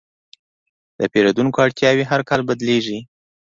د پیرودونکو اړتیاوې هر کال بدلېږي.